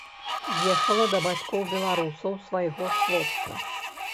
Ехала да бацькоў-беларусаў свайго хлопца.